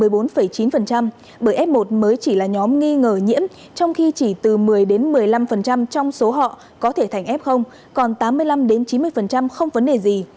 bởi f một mới chỉ là nhóm nghi ngờ nhiễm trong khi chỉ từ một mươi một mươi năm trong số họ có thể thành f còn tám mươi năm chín mươi không vấn đề gì